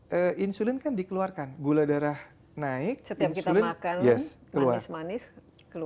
benar insulin kan dikeluarkan gula darah naik setiap kita makan keluar